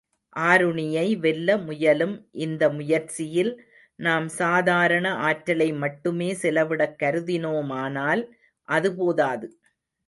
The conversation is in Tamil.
ஆருணியை வெல்ல முயலும் இந்த முயற்சியில் நாம் சாதாரண ஆற்றலை மட்டுமே செலவிடக் கருதினோமானால் அது போதாது.